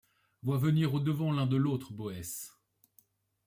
Vois venir au-devant l’un de l’autre Boèce